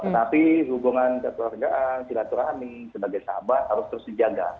tapi hubungan ketua rendah silaturahmi sebagai sahabat harus terus dijaga